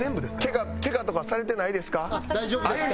ケガケガとかされてないですか？